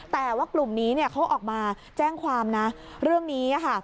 แต่ว่ากลุ่มนี้เขาออกมาแจ้งความนะเรื่องนี้ค่ะ